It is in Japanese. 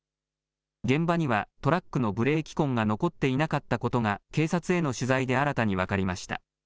現場にはトラックのブレーキ痕が残っていなかったことが、警察への取材で新たに分かりました。